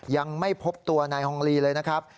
ยังไม่พบตัวนายฮองลีเลยนะครับ